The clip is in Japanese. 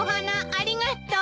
ありがとう。